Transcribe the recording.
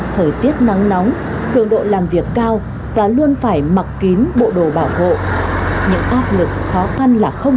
thời tiết nắng nóng cường độ làm việc cao và luôn phải mặc kín bộ phòng chống tội phạm